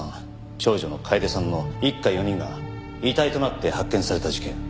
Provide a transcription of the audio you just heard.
長女の楓さんの一家４人が遺体となって発見された事件。